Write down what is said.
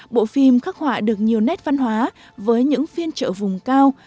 bộ phim khắc họa được nhiều nét văn hóa với những phiên trợ vùng cao